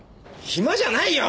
暇じゃないよ！